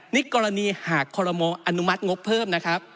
นี่กรณีหากคอรมออนุมัติงบเพิ่ม